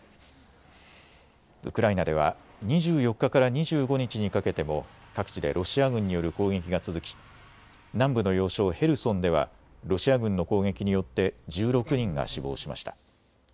ウクライナでは２４日から２５日にかけても各地でロシア軍による攻撃が続き南部の要衝ヘルソンではロシア軍の攻撃によって１６人が死亡しました。